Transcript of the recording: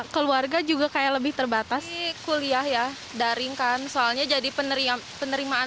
keluarga juga kayak lebih terbatas kuliah ya daringkan soalnya jadi penerima penerimaan